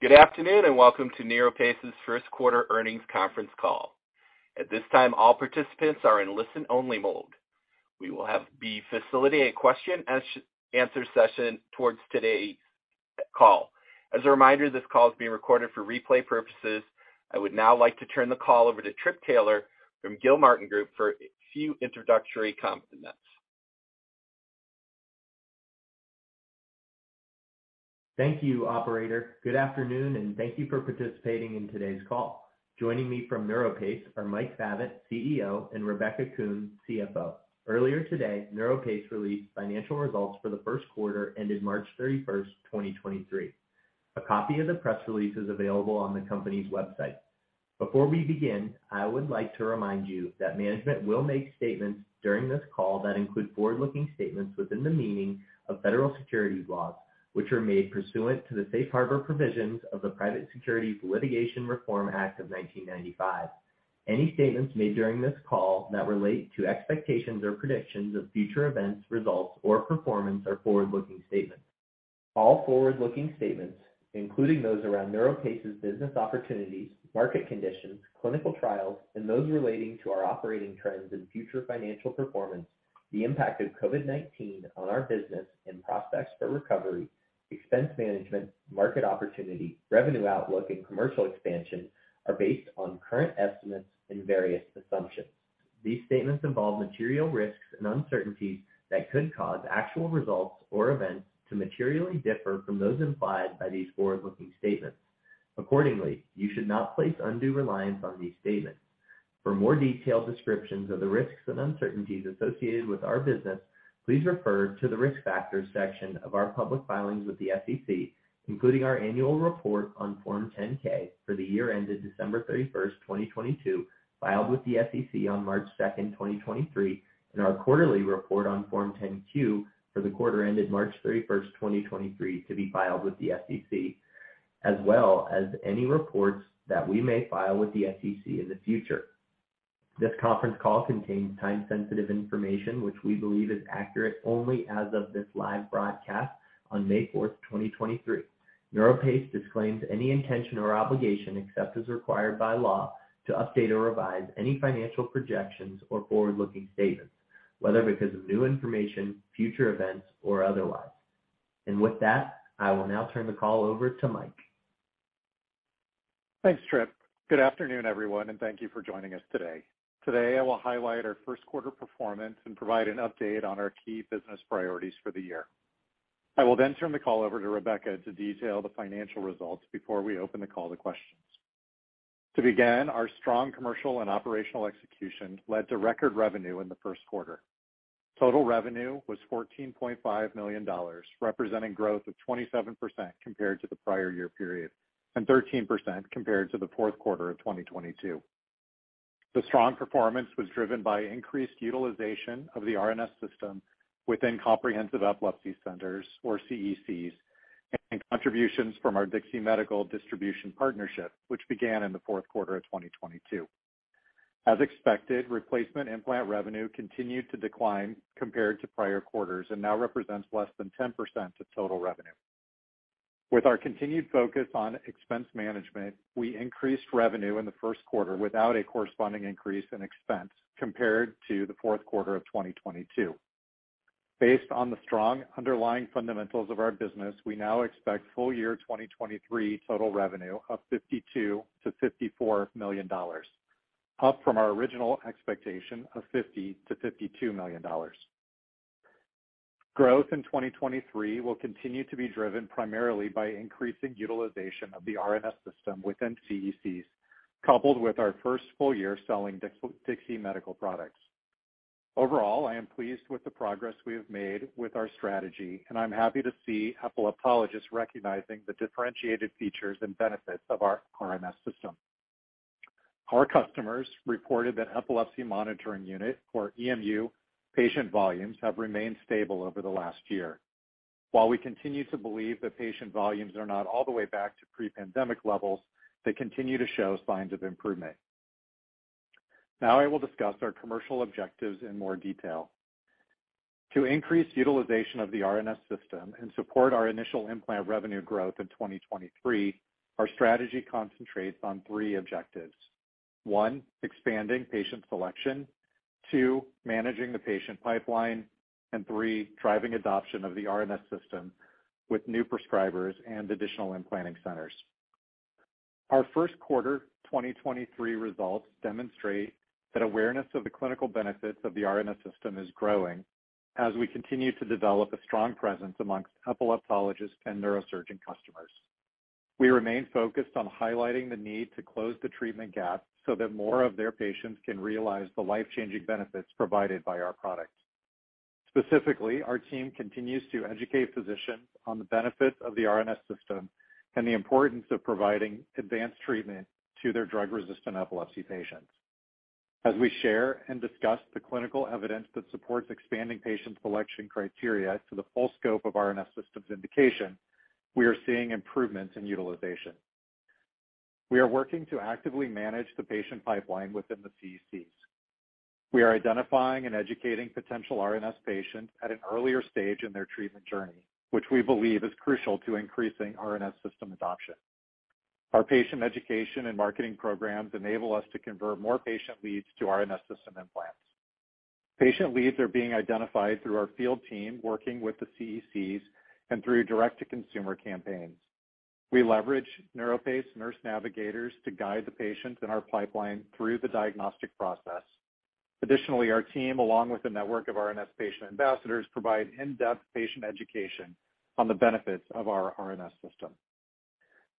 Good afternoon, welcome to NeuroPace's first quarter earnings conference call. At this time, all participants are in listen-only mode. We will be facilitating a question and answer session towards today's call. As a reminder, this call is being recorded for replay purposes. I would now like to turn the call over to Philip Taylor from Gilmartin Group for a few introductory comments. Thank you, operator. Good afternoon, and thank you for participating in today's call. Joining me from NeuroPace are Mike Favet, CEO, and Rebecca Kuhn, CFO. Earlier today, NeuroPace released financial results for the first quarter, ended March 31st, 2023. A copy of the press release is available on the company's website. Before we begin, I would like to remind you that management will make statements during this call that include forward-looking statements within the meaning of federal securities laws, which are made pursuant to the safe harbor provisions of the Private Securities Litigation Reform Act of 1995. Any statements made during this call that relate to expectations or predictions of future events, results or performance are forward-looking statements. All forward-looking statements, including those around NeuroPace's business opportunities, market conditions, clinical trials, and those relating to our operating trends and future financial performance, the impact of COVID-19 on our business and prospects for recovery, expense management, market opportunity, revenue outlook, and commercial expansion, are based on current estimates and various assumptions. These statements involve material risks and uncertainties that could cause actual results or events to materially differ from those implied by these forward-looking statements. Accordingly, you should not place undue reliance on these statements. For more detailed descriptions of the risks and uncertainties associated with our business, please refer to the Risk Factors section of our public filings with the SEC, including our annual report on Form 10-K for the year ended December 31st, 2022, filed with the SEC on March 2nd, 2023, and our quarterly report on Form 10-Q for the quarter ended March 31st, 2023, to be filed with the SEC, as well as any reports that we may file with the SEC in the future. This conference call contains time-sensitive information, which we believe is accurate only as of this live broadcast on May 4th, 2023. NeuroPace disclaims any intention or obligation, except as required by law, to update or revise any financial projections or forward-looking statements, whether because of new information, future events or otherwise. With that, I will now turn the call over to Mike. Thanks, Philip. Good afternoon, everyone, thank you for joining us today. Today, I will highlight our first quarter performance and provide an update on our key business priorities for the year. I will then turn the call over to Rebecca Kuhn to detail the financial results before we open the call to questions. To begin, our strong commercial and operational execution led to record revenue in the first quarter. Total revenue was $14.5 million, representing growth of 27% compared to the prior year period, and 13% compared to the fourth quarter of 2022. The strong performance was driven by increased utilization of the RNS System within comprehensive epilepsy centers or CECs, and contributions from our Dixi Medical Distribution partnership, which began in the fourth quarter of 2022. As expected, replacement implant revenue continued to decline compared to prior quarters and now represents less than 10% of total revenue. With our continued focus on expense management, we increased revenue in the first quarter without a corresponding increase in expense compared to the fourth quarter of 2022. Based on the strong underlying fundamentals of our business, we now expect full year 2023 total revenue of $52 million-$54 million, up from our original expectation of $50 million-$52 million. Growth in 2023 will continue to be driven primarily by increasing utilization of the RNS System within CECs, coupled with our first full year selling Dixi Medical products. Overall, I am pleased with the progress we have made with our strategy, and I'm happy to see epileptologists recognizing the differentiated features and benefits of our RNS System. Our customers reported that epilepsy monitoring unit or EMU patient volumes have remained stable over the last year. While we continue to believe that patient volumes are not all the way back to pre-pandemic levels, they continue to show signs of improvement. I will discuss our commercial objectives in more detail. To increase utilization of the RNS System and support our initial implant revenue growth in 2023, our strategy concentrates on three objectives. One, expanding patient selection. Two, managing the patient pipeline. Three, driving adoption of the RNS System with new prescribers and additional implanting centers. Our first quarter 2023 results demonstrate that awareness of the clinical benefits of the RNS System is growing as we continue to develop a strong presence amongst epileptologists and neurosurgeon customers. We remain focused on highlighting the need to close the treatment gap so that more of their patients can realize the life-changing benefits provided by our product. Specifically, our team continues to educate physicians on the benefits of the RNS System and the importance of providing advanced treatment to their drug-resistant epilepsy patients. As we share and discuss the clinical evidence that supports expanding patient selection criteria to the full scope of RNS Systems indication, we are seeing improvements in utilization. We are working to actively manage the patient pipeline within the CECs. We are identifying and educating potential RNS patients at an earlier stage in their treatment journey, which we believe is crucial to increasing RNS System adoption. Our patient education and marketing programs enable us to convert more patient leads to RNS System implants. Patient leads are being identified through our field team working with the CECs and through direct-to-consumer campaigns. We leverage NeuroPace Nurse Navigators to guide the patients in our pipeline through the diagnostic process. Additionally, our team, along with a network of RNS patient ambassadors, provide in-depth patient education on the benefits of our RNS System.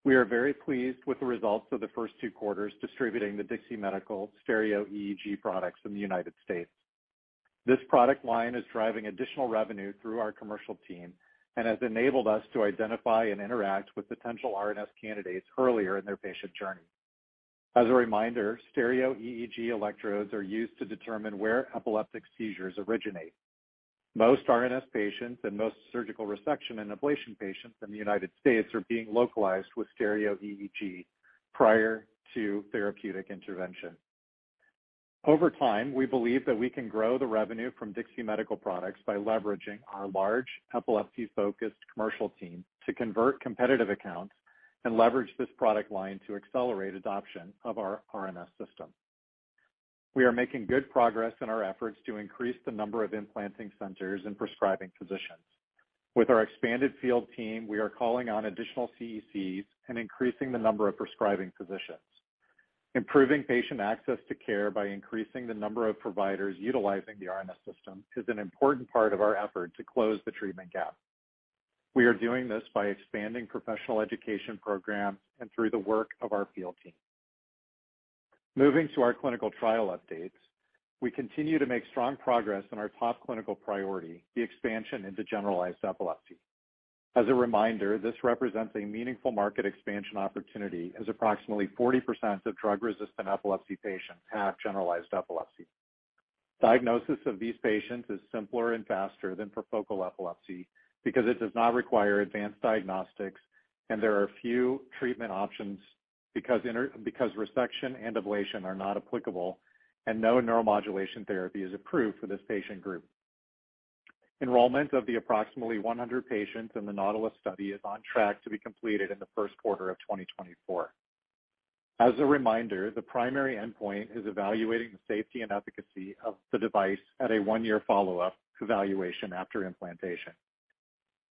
We are very pleased with the results of the first two quarters distributing the Dixi Medical stereo EEG products in the United States. This product line is driving additional revenue through our commercial team and has enabled us to identify and interact with potential RNS candidates earlier in their patient journey. As a reminder, stereo EEG electrodes are used to determine where epileptic seizures originate. Most RNS patients and most surgical resection and ablation patients in the United States are being localized with stereo EEG prior to therapeutic intervention. Over time, we believe that we can grow the revenue from Dixi Medical products by leveraging our large epilepsy-focused commercial team to convert competitive accounts and leverage this product line to accelerate adoption of our RNS System. We are making good progress in our efforts to increase the number of implanting centers and prescribing physicians. With our expanded field team, we are calling on additional CECs and increasing the number of prescribing physicians. Improving patient access to care by increasing the number of providers utilizing the RNS System is an important part of our effort to close the treatment gap. We are doing this by expanding professional education programs and through the work of our field team. Moving to our clinical trial updates. We continue to make strong progress on our top clinical priority, the expansion into generalized epilepsy. As a reminder, this represents a meaningful market expansion opportunity, as approximately 40% of drug-resistant epilepsy patients have generalized epilepsy. Diagnosis of these patients is simpler and faster than for focal epilepsy because it does not require advanced diagnostics and there are few treatment options because resection and ablation are not applicable and no neuromodulation therapy is approved for this patient group. Enrollment of the approximately 100 patients in the NAUTILUS study is on track to be completed in the first quarter of 2024. As a reminder, the primary endpoint is evaluating the safety and efficacy of the device at a one-year follow-up evaluation after implantation.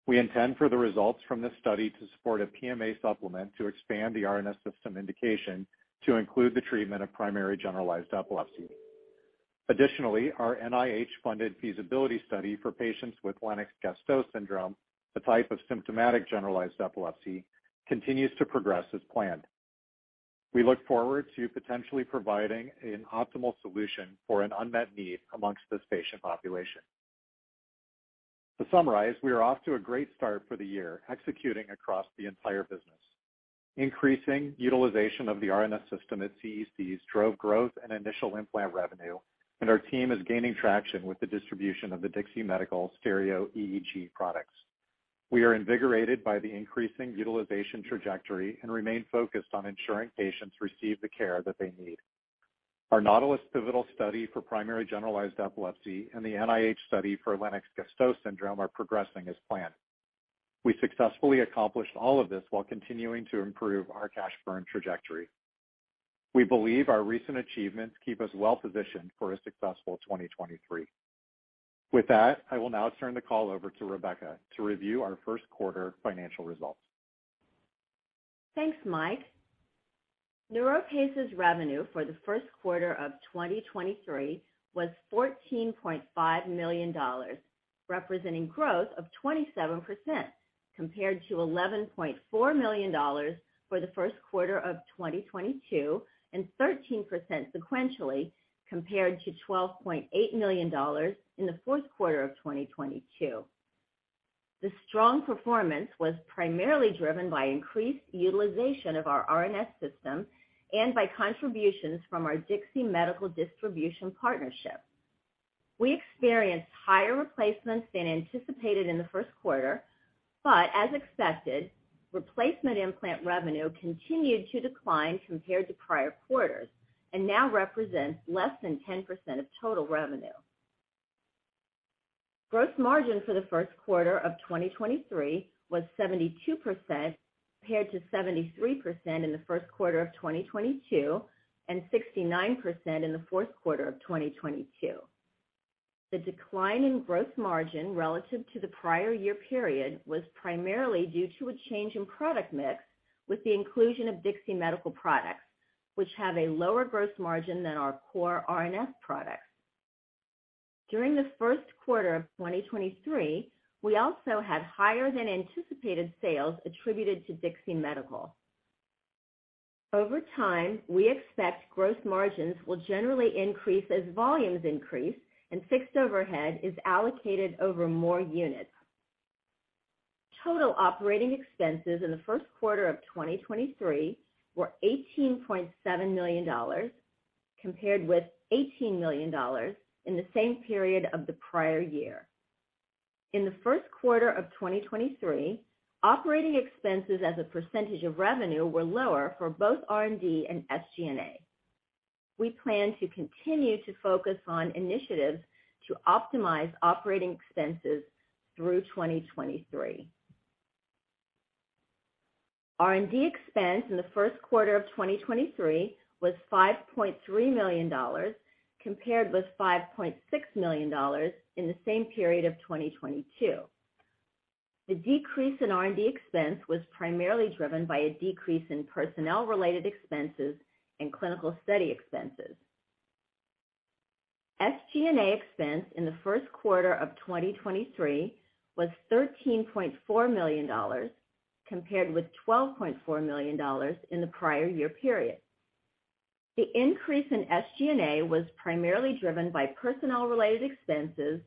We intend for the results from this study to support a PMA supplement to expand the RNS System indication to include the treatment of primary generalized epilepsy. Additionally, our NIH-funded feasibility study for patients with Lennox-Gastaut syndrome, a type of symptomatic generalized epilepsy, continues to progress as planned. We look forward to potentially providing an optimal solution for an unmet need amongst this patient population. To summarize, we are off to a great start for the year, executing across the entire business. Increasing utilization of the RNS System at CECs drove growth and initial implant revenue, and our team is gaining traction with the distribution of the Dixi Medical stereo EEG products. We are invigorated by the increasing utilization trajectory and remain focused on ensuring patients receive the care that they need. Our NAUTILUS pivotal study for primary generalized epilepsy and the NIH study for Lennox-Gastaut syndrome are progressing as planned. We successfully accomplished all of this while continuing to improve our cash burn trajectory. We believe our recent achievements keep us well positioned for a successful 2023. With that, I will now turn the call over to Rebecca to review our first quarter financial results. Thanks, Mike. NeuroPace's revenue for the first quarter of 2023 was $14.5 million, representing growth of 27% compared to $11.4 million for the first quarter of 2022, and 13% sequentially compared to $12.8 million in the fourth quarter of 2022. The strong performance was primarily driven by increased utilization of our RNS System and by contributions from our Dixi Medical distribution partnership. We experienced higher replacements than anticipated in the first quarter, but as expected, replacement implant revenue continued to decline compared to prior quarters and now represents less than 10% of total revenue. Gross margin for the first quarter of 2023 was 72% compared to 73% in the first quarter of 2022, and 69% in the fourth quarter of 2022. The decline in gross margin relative to the prior year period was primarily due to a change in product mix with the inclusion of Dixi Medical products, which have a lower gross margin than our core RNS products. During the first quarter of 2023, we also had higher than anticipated sales attributed to Dixi Medical. Over time, we expect gross margins will generally increase as volumes increase and fixed overhead is allocated over more units. Total operating expenses in the first quarter of 2023 were $18.7 million compared with $18 million in the same period of the prior year. In the first quarter of 2023, operating expenses as a percentage of revenue were lower for both R&D and SG&A. We plan to continue to focus on initiatives to optimize operating expenses through 2023. R&D expense in the first quarter of 2023 was $5.3 million, compared with $5.6 million in the same period of 2022. The decrease in R&D expense was primarily driven by a decrease in personnel-related expenses and clinical study expenses. SG&A expense in the first quarter of 2023 was $13.4 million compared with $12.4 million in the prior year period. The increase in SG&A was primarily driven by personnel-related expenses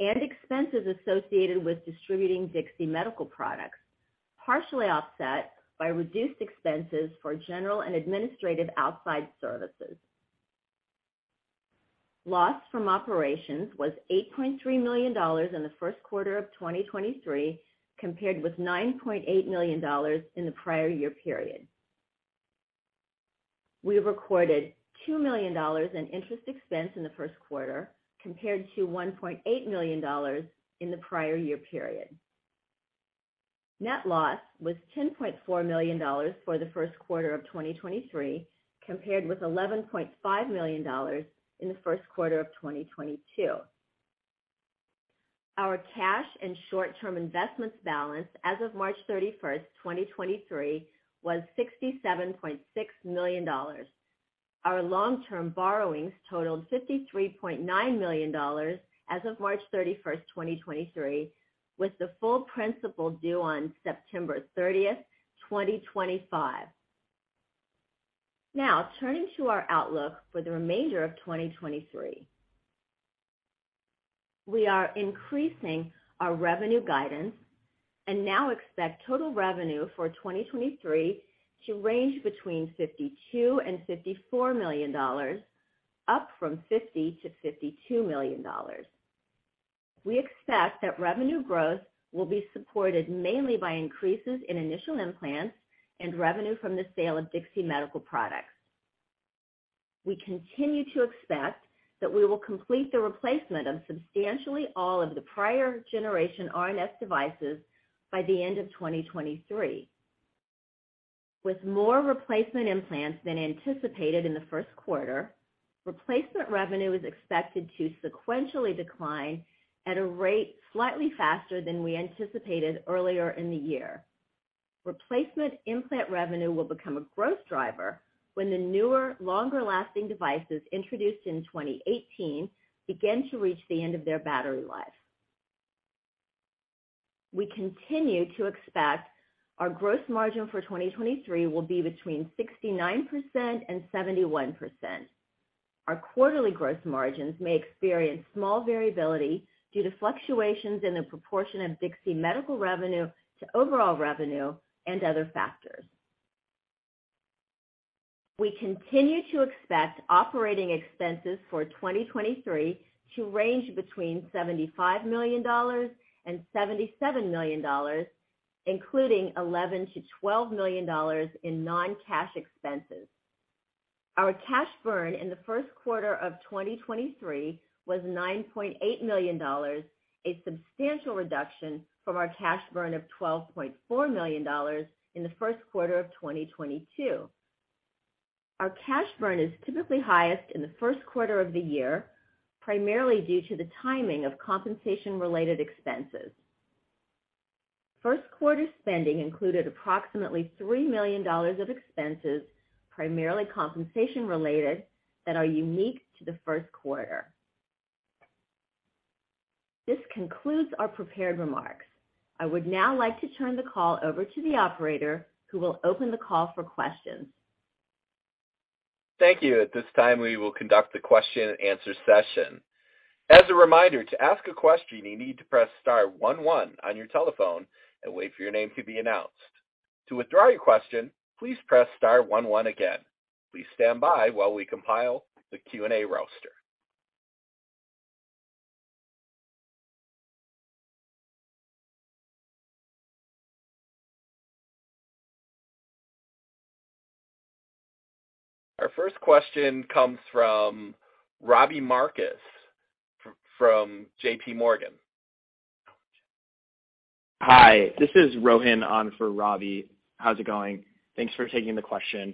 and expenses associated with distributing Dixi Medical products, partially offset by reduced expenses for general and administrative outside services. Loss from operations was $8.3 million in the first quarter of 2023 compared with $9.8 million in the prior year period. We recorded $2 million in interest expense in the first quarter compared to $1.8 million in the prior year period. Net loss was $10.4 million for the first quarter of 2023 compared with $11.5 million in the first quarter of 2022. Our cash and short-term investments balance as of March 31st, 2023, was $67.6 million. Our long-term borrowings totaled $53.9 million as of March 31st, 2023, with the full principal due on September 30th, 2025. Turning to our outlook for the remainder of 2023. We are increasing our revenue guidance and now expect total revenue for 2023 to range between $52 million and $54 million, up from $50 million-$52 million. We expect that revenue growth will be supported mainly by increases in initial implants and revenue from the sale of Dixi Medical products. We continue to expect that we will complete the replacement of substantially all of the prior generation RNS devices by the end of 2023. With more replacement implants than anticipated in the first quarter, replacement revenue is expected to sequentially decline at a rate slightly faster than we anticipated earlier in the year. Replacement implant revenue will become a growth driver when the newer, longer-lasting devices introduced in 2018 begin to reach the end of their battery life. We continue to expect our gross margin for 2023 will be between 69% and 71%. Our quarterly gross margins may experience small variability due to fluctuations in the proportion of Dixi Medical revenue to overall revenue and other factors. We continue to expect operating expenses for 2023 to range between $75 million and $77 million, including $11 million-$12 million in non-cash expenses. Our cash burn in the first quarter of 2023 was $9.8 million, a substantial reduction from our cash burn of $12.4 million in the first quarter of 2022. Our cash burn is typically highest in the first quarter of the year, primarily due to the timing of compensation-related expenses. First quarter spending included approximately $3 million of expenses, primarily compensation-related, that are unique to the first quarter. This concludes our prepared remarks. I would now like to turn the call over to the operator who will open the call for questions. Thank you. At this time, we will conduct the question-and-answer session. As a reminder, to ask a question, you need to press star one on your telephone and wait for your name to be announced. To withdraw your question, please press star one again. Please stand by while we compile the Q&A roster. Our first question comes from Robbie Marcus from J.P. Morgan. Hi, this is Rohin Patel on for Robbie Marcus. How's it going? Thanks for taking the question.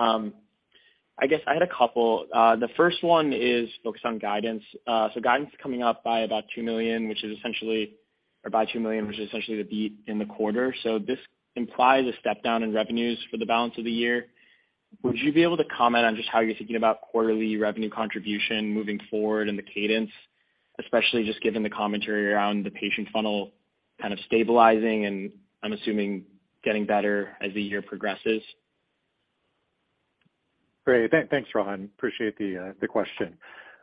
I guess I had a couple. The first one is focused on guidance. Guidance coming up by about $2 million, or by $2 million, which is essentially the beat in the quarter. This implies a step down in revenues for the balance of the year. Would you be able to comment on just how you're thinking about quarterly revenue contribution moving forward and the cadence, especially just given the commentary around the patient funnel kind of stabilizing, and I'm assuming getting better as the year progresses? Great. Thanks, Rohin. Appreciate the question.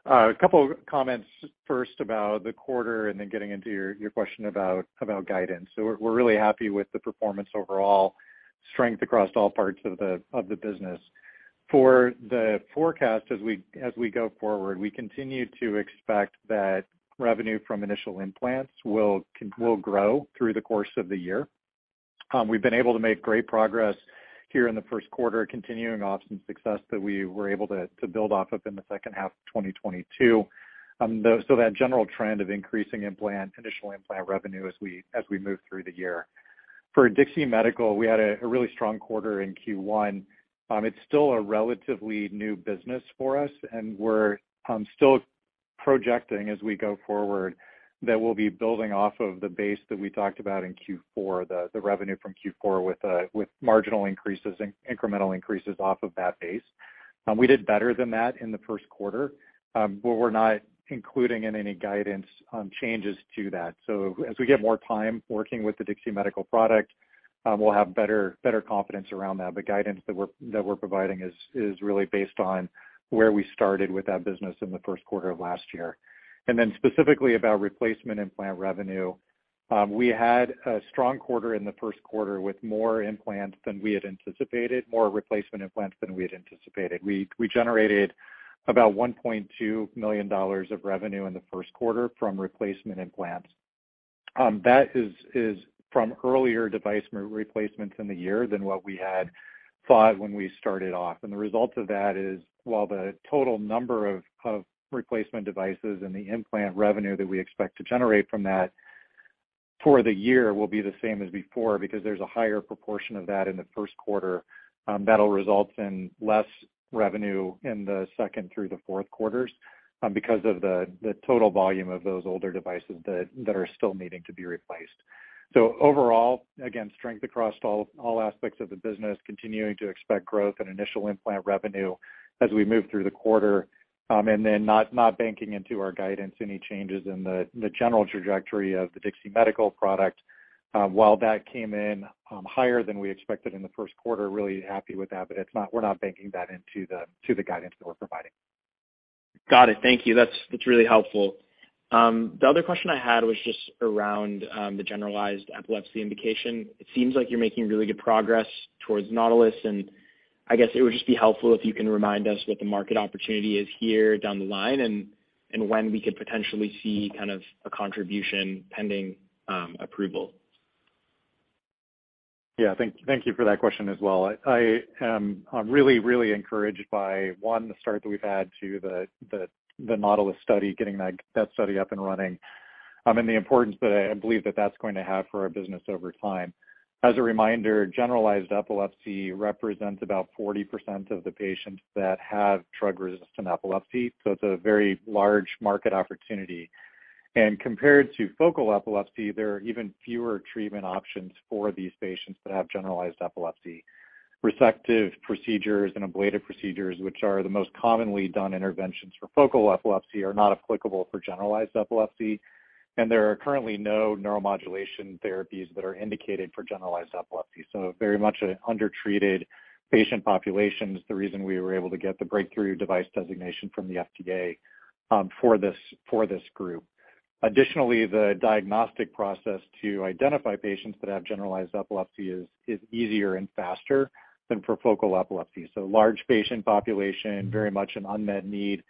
A couple of comments first about the quarter and then getting into your question about guidance. We're really happy with the performance overall. Strength across all parts of the business. For the forecast as we go forward, we continue to expect that revenue from initial implants will grow through the course of the year. We've been able to make great progress here in the first quarter, continuing off some success that we were able to build off of in the second half of 2022. So that general trend of increasing implant, initial implant revenue as we move through the year. For Dixi Medical, we had a really strong quarter in Q1. It's still a relatively new business for us, and we're still projecting as we go forward that we'll be building off of the base that we talked about in Q4, the revenue from Q4 with marginal increases and incremental increases off of that base. We did better than that in the first quarter, but we're not including in any guidance changes to that. As we get more time working with the Dixi Medical product, we'll have better confidence around that. The guidance that we're providing is really based on where we started with that business in the first quarter of last year. Specifically about replacement implant revenue, we had a strong quarter in the first quarter with more implants than we had anticipated, more replacement implants than we had anticipated. We generated about $1.2 million of revenue in the first quarter from replacement implants. That is from earlier device re-replacements in the year than what we had thought when we started off. The result of that is, while the total number of replacement devices and the implant revenue that we expect to generate from that for the year will be the same as before because there's a higher proportion of that in the first quarter, that'll result in less revenue in the second through the fourth quarters because of the total volume of those older devices that are still needing to be replaced. Overall, again, strength across all aspects of the business, continuing to expect growth and initial implant revenue as we move through the quarter, not banking into our guidance any changes in the general trajectory of the Dixi Medical product. While that came in higher than we expected in the first quarter, really happy with that, but we're not banking that into the guidance that we're providing. Got it. Thank you. That's really helpful. The other question I had was just around the generalized epilepsy indication. It seems like you're making really good progress towards NAUTILUS, and I guess it would just be helpful if you can remind us what the market opportunity is here down the line and when we could potentially see kind of a contribution pending approval. Yeah. Thank you for that question as well. I'm really encouraged by, one, the start that we've had to the NAUTILUS study, getting that study up and running, and the importance that I believe that that's going to have for our business over time. As a reminder, generalized epilepsy represents about 40% of the patients that have drug-resistant epilepsy, so it's a very large market opportunity. Compared to focal epilepsy, there are even fewer treatment options for these patients that have generalized epilepsy. Receptive procedures and ablative procedures, which are the most commonly done interventions for focal epilepsy, are not applicable for generalized epilepsy, and there are currently no neuromodulation therapies that are indicated for generalized epilepsy. Very much an undertreated patient population is the reason we were able to get the Breakthrough Device Designation from the FDA for this group. Additionally, the diagnostic process to identify patients that have generalized epilepsy is easier and faster than for focal epilepsy. Large patient population, very much an unmet need,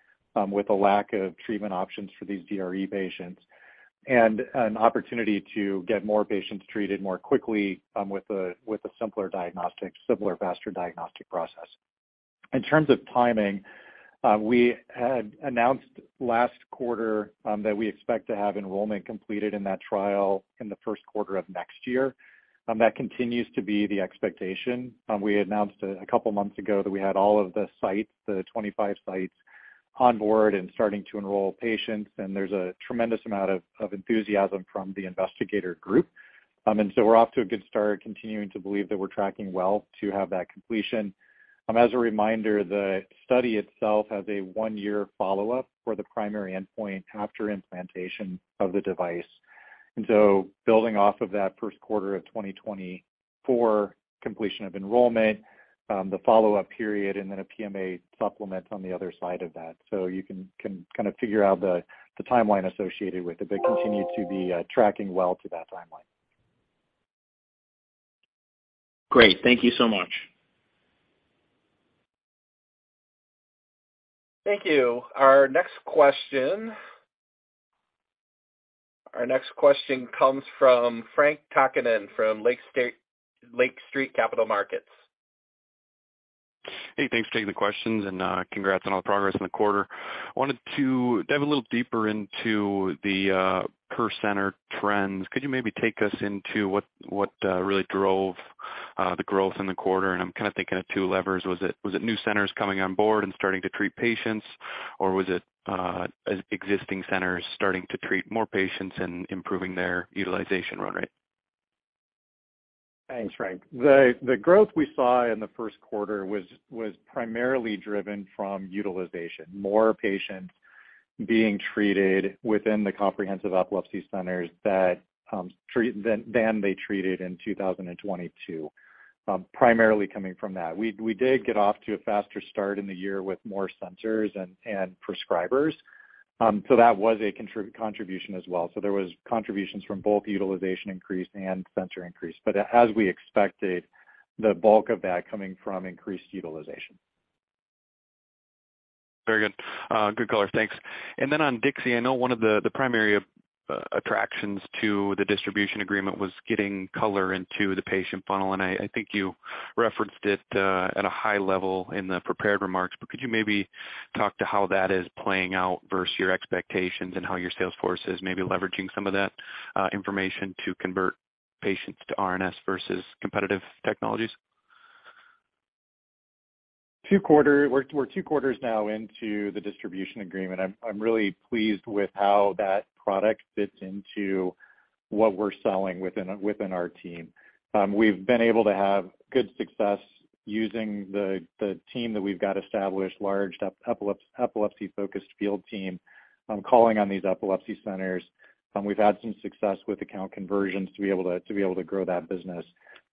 with a lack of treatment options for these DRE patients and an opportunity to get more patients treated more quickly, with a simpler diagnostic, simpler, faster diagnostic process. In terms of timing, we had announced last quarter that we expect to have enrollment completed in that trial in the first quarter of next year. That continues to be the expectation. We announced a couple months ago that we had all of the sites, the 25 sites on board and starting to enroll patients, and there's a tremendous amount of enthusiasm from the investigator group. We're off to a good start, continuing to believe that we're tracking well to have that completion. As a reminder, the study itself has a one-year follow-up for the primary endpoint after implantation of the device. Building off of that first quarter of 2024 completion of enrollment, the follow-up period and then a PMA supplement on the other side of that. You can kind of figure out the timeline associated with it, but continue to be tracking well to that timeline. Great. Thank you so much. Thank you. Our next question comes from Frank Takkinen from Lake Street Capital Markets. Hey, thanks for taking the questions and congrats on all the progress in the quarter. Wanted to dive a little deeper into the per center trends. Could you maybe take us into what really drove the growth in the quarter? I'm kind of thinking of two levers. Was it new centers coming on board and starting to treat patients, or was it existing centers starting to treat more patients and improving their utilization run rate? Thanks, Frank. The growth we saw in the first quarter was primarily driven from utilization. More patients being treated within the comprehensive epilepsy centers that treated than they treated in 2022, primarily coming from that. We did get off to a faster start in the year with more centers and prescribers. That was a contribution as well. There was contributions from both utilization increase and center increase. As we expected, the bulk of that coming from increased utilization. Very good. Good color. Thanks. Then on DIXI, I know one of the primary attractions to the distribution agreement was getting color into the patient funnel, and I think you referenced it at a high level in the prepared remarks. Could you maybe talk to how that is playing out versus your expectations and how your sales force is maybe leveraging some of that information to convert patients to RNS versus competitive technologies? We're two quarters now into the distribution agreement. I'm really pleased with how that product fits into what we're selling within our team. We've been able to have good success using the team that we've got established, large epilepsy-focused field team, calling on these epilepsy centers. We've had some success with account conversions to be able to grow that business.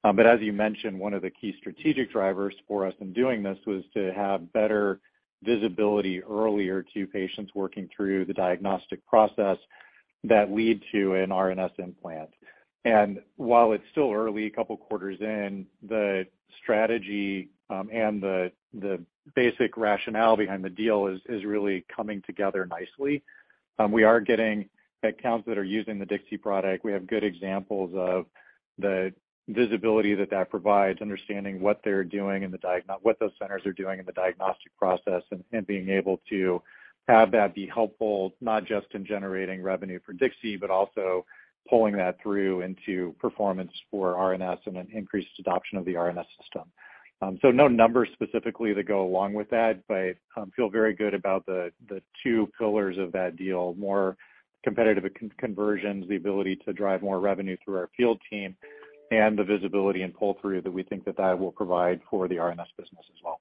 As you mentioned, one of the key strategic drivers for us in doing this was to have better visibility earlier to patients working through the diagnostic process that lead to an RNS implant. While it's still early, a couple quarters in, the strategy and the basic rationale behind the deal is really coming together nicely. We are getting accounts that are using the DIXI product. We have good examples of the visibility that that provides, understanding what they're doing in what those centers are doing in the diagnostic process and being able to have that be helpful not just in generating revenue for DIXI, but also pulling that through into performance for RNS and an increased adoption of the RNS System. No numbers specifically that go along with that, but feel very good about the two pillars of that deal, more competitive conversions, the ability to drive more revenue through our field team, and the visibility and pull-through that we think that that will provide for the RNS business as well.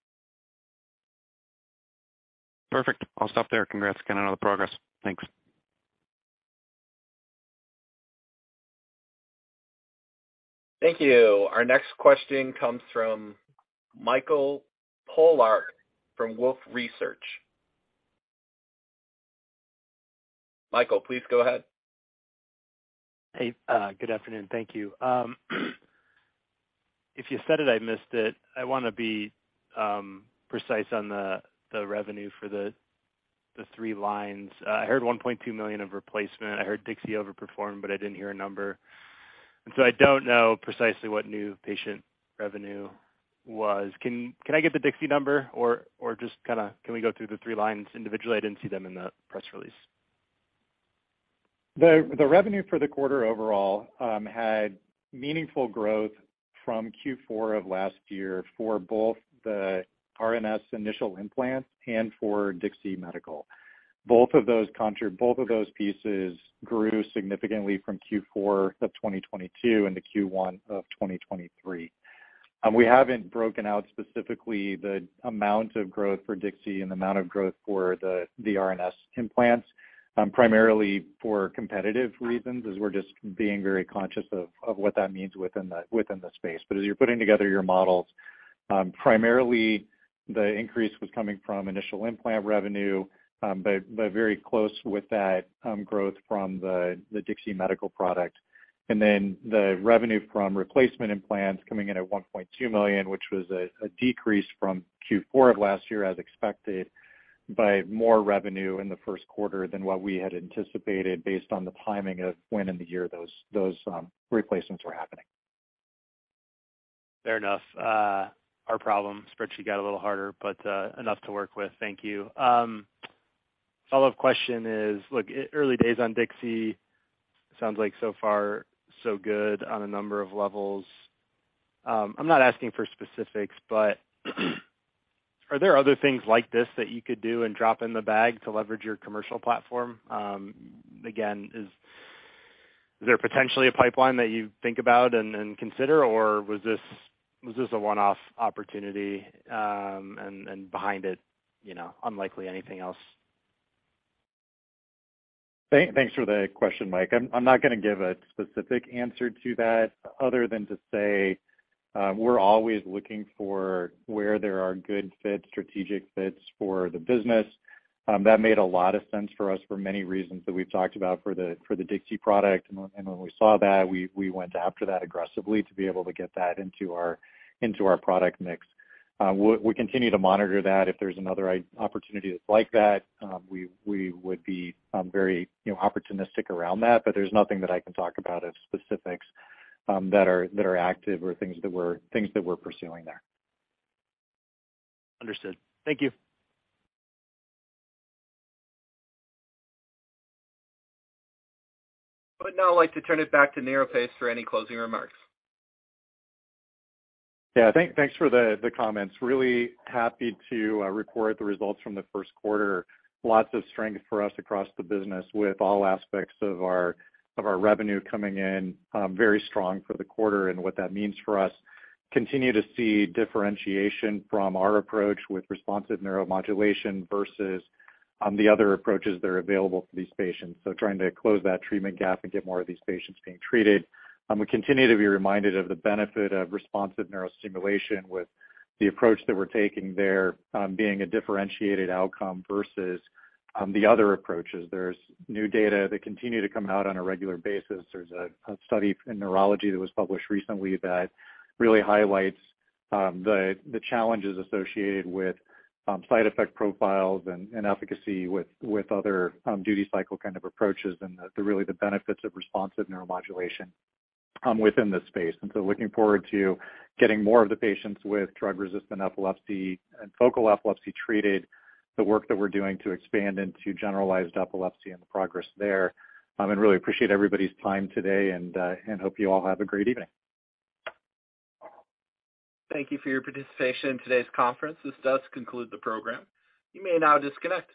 Perfect. I'll stop there. Congrats again on all the progress. Thanks. Thank you. Our next question comes from Michael Pollack from Wolfe Research. Michael, please go ahead. Hey, good afternoon. Thank you. If you said it, I missed it. I wanna be precise on the revenue for the three lines. I heard $1.2 million of replacement. I heard DIXI overperformed. I didn't hear a number. I don't know precisely what new patient revenue was. Can I get the DIXI number or just kinda can we go through the three lines individually? I didn't see them in the press release. The revenue for the quarter overall had meaningful growth from Q4 of last year for both the RNS initial implant and for Dixi Medical. Both of those pieces grew significantly from Q4 of 2022 into Q1 of 2023. We haven't broken out specifically the amount of growth for DIXI and amount of growth for the RNS implants primarily for competitive reasons, as we're just being very conscious of what that means within the space. As you're putting together your models, primarily the increase was coming from initial implant revenue, but very close with that, growth from the Dixi Medical product. The revenue from replacement implants coming in at $1.2 million, which was a decrease from Q4 of last year as expected, but more revenue in the first quarter than what we had anticipated based on the timing of when in the year those replacements were happening. Fair enough. Our problem spreadsheet got a little harder, but enough to work with. Thank you. Follow-up question is, look, early days on DIXI. Sounds like so far so good on a number of levels. I'm not asking for specifics, but are there other things like this that you could do and drop in the bag to leverage your commercial platform? Again, is there potentially a pipeline that you think about and consider, or was this a one-off opportunity, and behind it, you know, unlikely anything else? Thanks for the question, Mike. I'm not gonna give a specific answer to that other than to say, we're always looking for where there are good fits, strategic fits for the business. That made a lot of sense for us for many reasons that we've talked about for the DIXI product. When we saw that, we went after that aggressively to be able to get that into our product mix. We continue to monitor that. If there's another opportunity that's like that, we would be very, you know, opportunistic around that. There's nothing that I can talk about of specifics that are active or things that we're pursuing there. Understood. Thank you. I would now like to turn it back to NeuroPace for any closing remarks. Thanks for the comments. Really happy to report the results from the first quarter. Lots of strength for us across the business with all aspects of our revenue coming in very strong for the quarter. What that means for us. Continue to see differentiation from our approach with responsive neuromodulation versus the other approaches that are available for these patients. Trying to close that treatment gap and get more of these patients being treated. We continue to be reminded of the benefit of responsive neurostimulation with the approach that we're taking there, being a differentiated outcome versus the other approaches. There's new data that continue to come out on a regular basis. There's a study in neurology that was published recently that really highlights the challenges associated with side effect profiles and efficacy with other duty cycle kind of approaches and the really the benefits of responsive neuromodulation within the space. Looking forward to getting more of the patients with drug-resistant epilepsy and focal epilepsy treated, the work that we're doing to expand into generalized epilepsy and the progress there. Really appreciate everybody's time today and hope you all have a great evening. Thank you for your participation in today's conference. This does conclude the program. You may now disconnect.